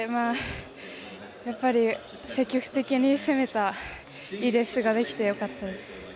やっぱり、積極的に攻めたいいレースができて良かったです。